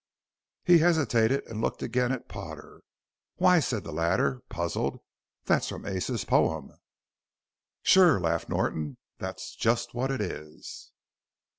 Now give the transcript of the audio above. He hesitated and looked again at Potter. "Why," said the latter, puzzled, "that's from Ace's poem!" "Sure," laughed Norton; "that's just what it is!"